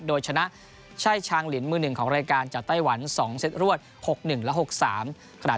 โดยชนะช่ายชางลินมือหนึ่งของรายการจากไต้หวัน๒เซตรวด๖๑และ๖๓